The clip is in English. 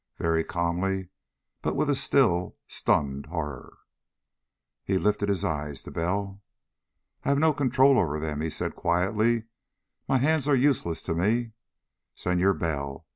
Very calmly, but with a still, stunned horror. He lifted his eyes to Bell. "I have no control over them," he said quietly. "My hands are useless to me, Senor Bell.